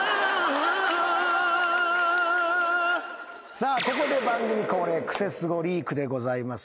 さあここで番組恒例クセスゴリークでございます。